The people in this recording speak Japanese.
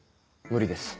無理です。